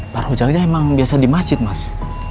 pak rojaknya emang biasa di masjid mas